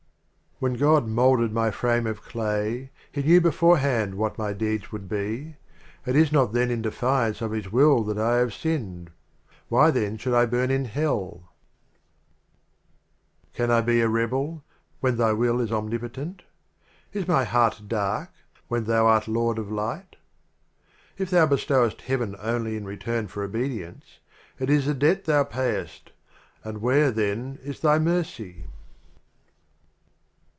76 LXXVIII. When God molded my Frame of The Literal ^mi Omar Clay, He knew beforehand what my Deeds would be. It is not then in defiance of His Will that I have sinned ; Why then should I burn in Hell? LXXIX. Can I be a Rebel — when Thy Will is Omnipotent? Is my Heart dark — when Thou art Lord of Light ? If Thou bestowest Heaven only in return for Obedience, It is a Debt Thou pay est, — and where, then, is Thy Mercy?